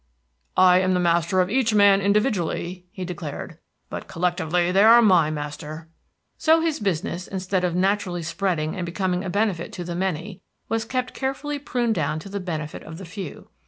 "I am the master of each man individually," he declared, "but collectively they are my master." So his business, instead of naturally spreading and becoming a benefit to the many, was kept carefully pruned down to the benefit of the few.